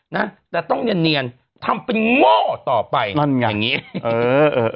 นะแต่ต้องเนียนเนียนทำเป็นโง่ต่อไปนั่นไงอย่างงี้เออเออ